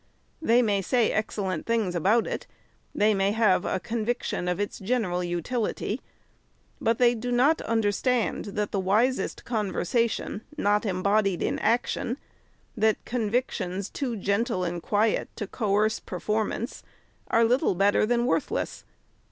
They may say excellent things about it, they may have a conviction of its general utility ; but they do not understand, that the wisest con versation not embodied in action, that convictions too gentle and quiet to coerce performance, are little better than worthless.